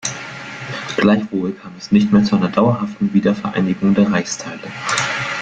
Gleichwohl kam es nicht mehr zu einer dauerhaften Wiedervereinigung der Reichsteile.